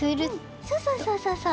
うんそうそうそうそうそう。